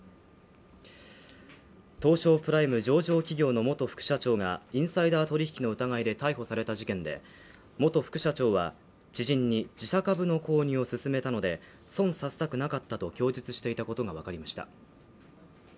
東証プライム上場企業の元副社長がインサイダー取引の疑いで逮捕された事件で元副社長は、知人に自社株の購入を勧めたので損させたくなかったと供述していたことが分かりました。